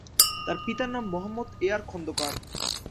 তার পিতার নাম মোহাম্মদ এয়ার খন্দকার।